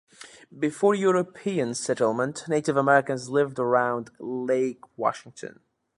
Before European settlement, Native Americans lived around Lake Washington.